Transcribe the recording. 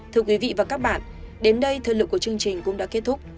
thưa quý vị và các bạn đến đây thời lượng của chương trình cũng đã kết thúc